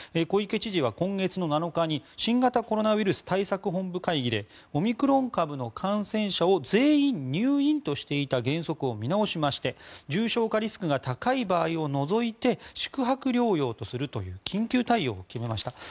小池知事は今月７日に新型コロナウイルス対策本部会議でオミクロン株の感染者を全員入院としていた原則を見直しまして重症化リスクが高い場合を除いて宿泊療養とするという緊急対応を決めました。